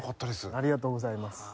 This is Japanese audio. ありがとうございます。